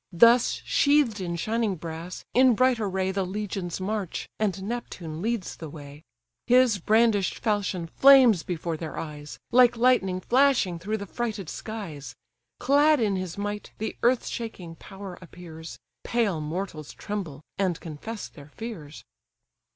Thus sheath'd in shining brass, in bright array The legions march, and Neptune leads the way: His brandish'd falchion flames before their eyes, Like lightning flashing through the frighted skies. Clad in his might, the earth shaking power appears; Pale mortals tremble, and confess their fears.